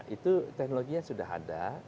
itu teknologinya sudah ada